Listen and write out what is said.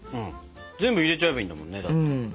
全部入れちゃえばいいんだもんね。